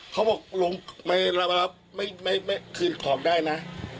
เขาบอกลงไปแล้วไม่คืนของได้นะ